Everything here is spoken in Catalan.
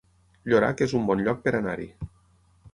Llorac es un bon lloc per anar-hi